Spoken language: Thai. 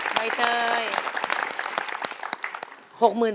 ใบเตย